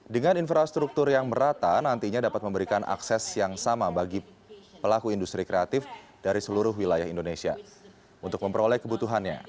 dengan infrastruktur yang merata nantinya dapat memberikan akses yang sama bagi pelaku industri kreatif dari seluruh wilayah indonesia untuk memperoleh kebutuhannya